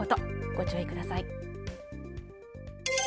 ご注意ください。